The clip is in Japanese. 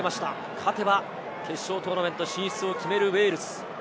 勝てば決勝トーナメント進出を決めるウェールズ。